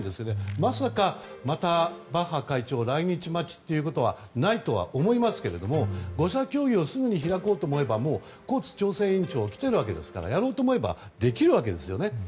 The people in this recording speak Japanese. まさか、またバッハ会長の来日待ちということはないとは思いますけれども５者協議をすぐに開こうと思えばコーツ調整委員長来ているわけですからやろうと思えばできるわけですね。